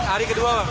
hari kedua bang